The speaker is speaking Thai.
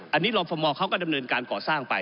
อันนี้รอฟมเขาก็ดำเนินการก่อสร้างไป